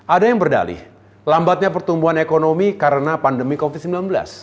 ada yang berdalih lambatnya pertumbuhan ekonomi karena pandemi covid sembilan belas